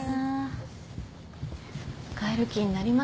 帰る気になりました？